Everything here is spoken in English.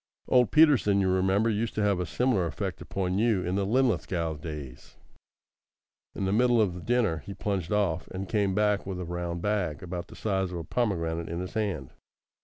Old Peterson, you remember, used to have a similar effect upon you in the Linlithgow days. In the middle of dinner he plunged off, and came back with a round bag about the size of a pomegranate in his hand.